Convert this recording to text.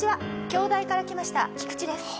「京大から来ましたキクチです」